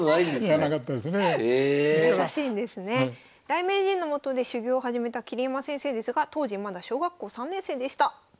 大名人のもとで修業を始めた桐山先生ですが当時まだ小学校３年生でした。